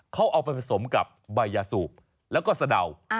เขาเอาไปผสมกับใบยาสูบแล้วก็สะเดา